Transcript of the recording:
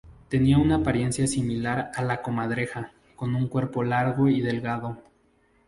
Tenía una apariencia similar a la comadreja, con un cuerpo largo y delgado.